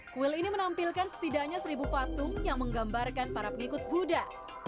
kuil ini menampilkan setidaknya seribu patung yang menggambarkan para pengikut buddha